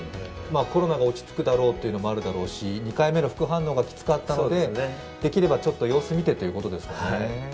コロナが落ち着くだろうというのもあるだろうし、２回目の副反応がきつかったので、できればちょっと様子見てということですかね。